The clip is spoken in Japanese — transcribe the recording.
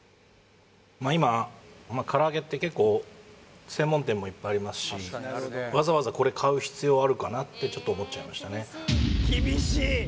今唐揚げって結構専門店もいっぱいありますしかなってちょっと思っちゃいましたね